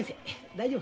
大丈夫。